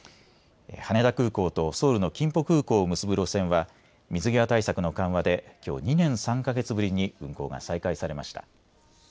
羽田空港とソウルのキンポ空港を結ぶ路線は水際対策の緩和できょう、２年３か月ぶりに運航が再開されました。